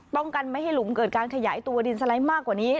ป้องกันไม่ให้หลุมเกิดการขยายตัวดินสไลด์มากกว่านี้